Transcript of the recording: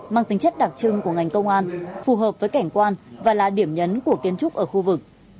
mang tính chất đặc trưng của ngành công an phù hợp với cảnh quan và là điểm nhấn của kiến trúc ở khu vực